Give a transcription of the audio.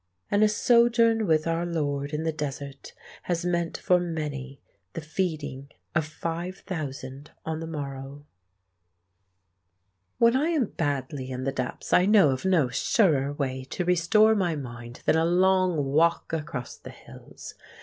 And a sojourn with our Lord in the desert has meant for many the feeding of five thousand on the morrow. When I am badly in the depths, I know of no surer way to restore my mind than a long walk across the hills.